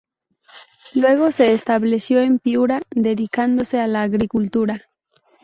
Luego se estableció en Piura, dedicándose a la agricultura.